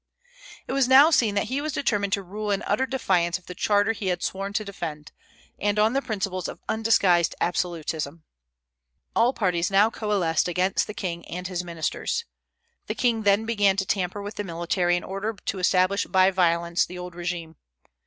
It was now seen that he was determined to rule in utter defiance of the charter he had sworn to defend, and on the principles of undisguised absolutism. All parties now coalesced against the king and his ministers. The king then began to tamper with the military in order to establish by violence the old régime.